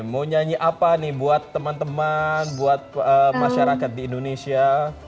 mau nyanyi apa nih buat teman teman buat masyarakat di indonesia